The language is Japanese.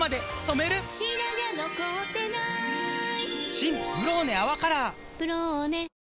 新「ブローネ泡カラー」「ブローネ」